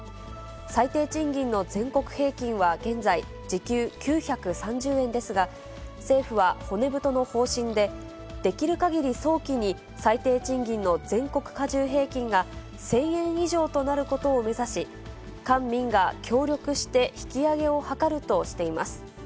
最低賃金の全国平均は現在、時給９３０円ですが、政府は骨太の方針で、できるかぎり早期に、最低賃金の全国加重平均が１０００円以上となることを目指し、官民が協力して引き上げを図るとしています。